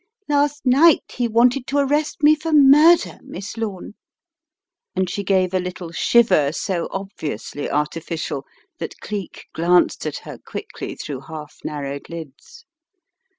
Last night he wanted to arrest me for murder, Miss Lome," and she gave a little shiver so obviously artificial that Cleek glanced at her quickly through half narrowed lids.